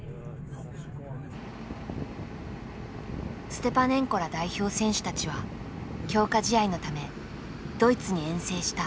ステパネンコら代表選手たちは強化試合のためドイツに遠征した。